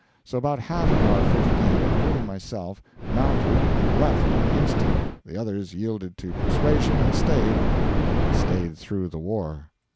So about half of our fifteen, including myself, mounted and left on the instant; the others yielded to persuasion and stayed stayed through the war.